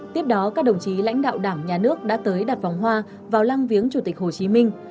tiếp đó các đồng chí lãnh đạo đảng nhà nước đã tới đặt vòng hoa vào lăng viếng chủ tịch hồ chí minh